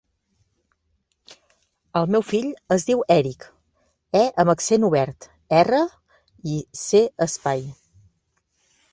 El meu fill es diu Èric : e amb accent obert, erra, i, ce, espai.